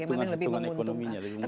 iya hitungan ekonominya lebih memuntungkan